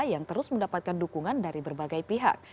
yang terus mendapatkan dukungan dari berbagai pihak